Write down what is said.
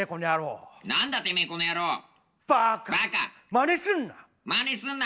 まねすんな！